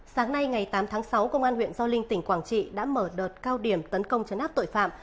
sáng nay ngày tám tháng sáu công an huyện gio linh tỉnh quảng trị đã mở đợt cao điểm tấn công chấn áp tội phạm